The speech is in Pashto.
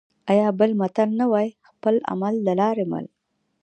آیا بل متل نه وايي: خپل عمل د لارې مل؟